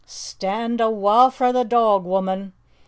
"Stand awa' frae the doag, wumman!